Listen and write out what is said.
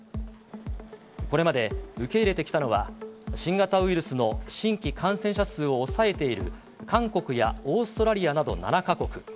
これまで受け入れてきたのは、新型ウイルスの新規感染者数を抑えている韓国やオーストラリアなど７か国。